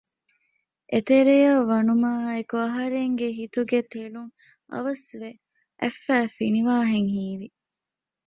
އެތެރެޔަށް ވަނުމާއެކު އަހަރެންގެ ހިތުގެ ތެޅުން އަވަސްވެ އަތްފައި ފިނިވާހެން ހީވި